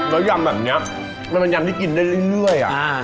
แล้วยำแบบนี้มันเป็นยำที่กินได้เรื่อย